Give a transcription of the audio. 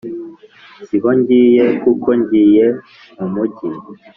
- si ho ngiye. kuko ngiye mu mujyi